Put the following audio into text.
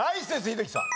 英樹さん。